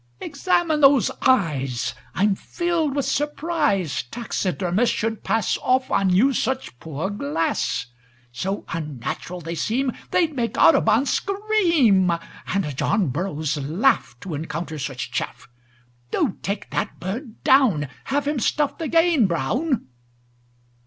"Examine those eyes. I'm filled with surprise Taxidermists should pass Off on you such poor glass; So unnatural they seem They'd make Audubon scream, And John Burroughs laugh To encounter such chaff. Do take that bird down; Have him stuffed again, Brown!"